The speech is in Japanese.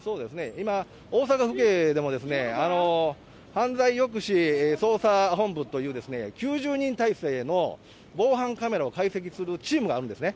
今、大阪府警でも、犯罪抑止捜査本部という、９０人態勢の防犯カメラを解析するチームがあるんですね。